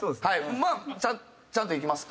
まあちゃんといきますか？